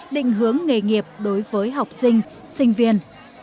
định hướng nghề nghiệp đối với học sinh sinh viên